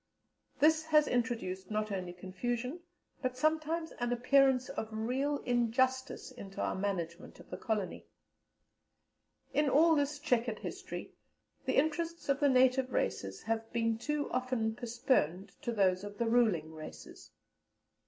This has introduced not only confusion, but sometimes an appearance of real injustice into our management of the colony. In all this chequered history, the interests of the native races have been too often postponed to those of the ruling races.